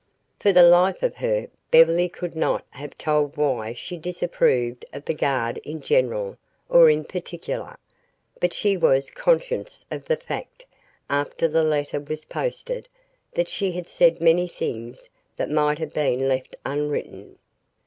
For the life of her, Beverly could not have told why she disapproved of the guard in general or in particular, but she was conscious of the fact, after the letter was posted, that she had said many things that might have been left unwritten.